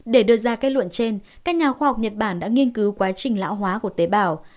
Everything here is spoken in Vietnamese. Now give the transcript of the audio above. để đưa ra kết luận trên các nhà khoa học nhật bản đã nghiên cứu quá trình lão hóa của tế bào